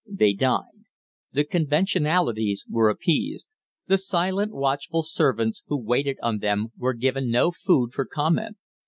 They dined. The conventionalities were appeased; the silent, watchful servants who waited on them were given no food for comment.